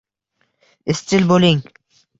Izchil bo‘ling.